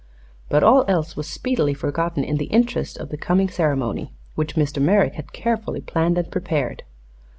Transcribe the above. But all else was speedily forgotten in the interest of the coming ceremony, which Mr. Merrick had carefully planned and prepared.